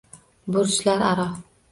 Burjlar aro